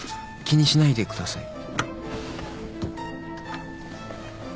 気にしないでください。